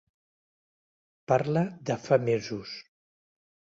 Parla de fa mesos.